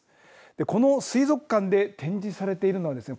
この水族館で展示されているのはですね。